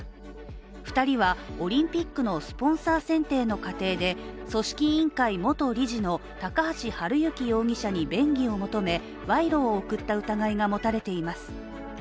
２人はオリンピックのスポンサー選定の過程で組織委員会元理事の高橋治之容疑者に便宜を求め賄賂を贈った疑いが持たれています。